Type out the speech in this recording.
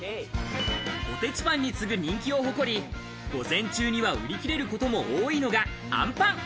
ポテチパンに次ぐ人気を誇り、午前中には売り切れることも多いのがアンパン。